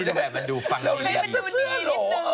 ทำไมมันจะสื่อโหล